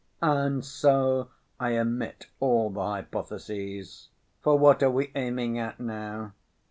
And so I omit all the hypotheses. For what are we aiming at now?